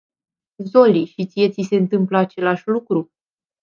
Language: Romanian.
Zoli, și ție ți se întâmplă același lucru?